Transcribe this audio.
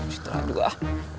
situ lagi ah